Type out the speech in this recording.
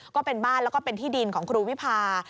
ก็เป็นบ้านแล้วก็เป็นที่ดินของครูวิพา